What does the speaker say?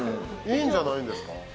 いいんじゃないんですか？